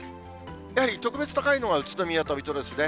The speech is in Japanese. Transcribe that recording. やはり特別高いのは、宇都宮と水戸ですね。